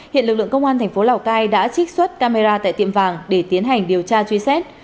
hiện lực lượng công an thành phố lào cai đã trích xuất camera tại tiệm vàng để tiến hành điều tra truy xét